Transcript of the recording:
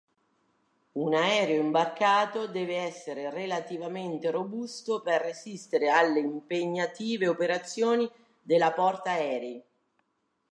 Un aereo imbarcato deve essere relativamente robusto per resistere alle impegnative operazioni della portaerei.